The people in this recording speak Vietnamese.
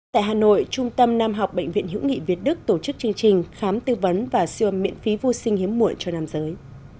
tại hà nội trung tâm nam học bệnh viện hữu nghị việt đức tổ chức chương trình khám tư vấn và siêu miễn phí vô sinh hiếm muộn cho nam giới